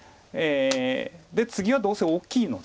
でツギはどうせ大きいので。